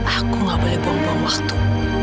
aku gak boleh buang buang waktu